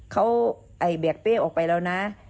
เขาแบกเป้ออกไปแล้วนะ